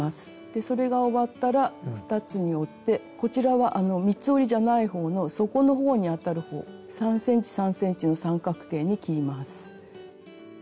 でそれが終わったら二つに折ってこちらはあの三つ折りじゃない方の底の方にあたる方３ｃｍ３ｃｍの三角形に切ります。